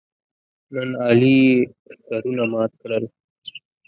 نن علي یې ښکرونه مات کړل.